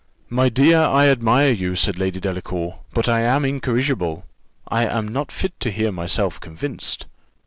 "My dear, I admire you," said Lady Delacour; "but I am incorrigible; I am not fit to hear myself convinced.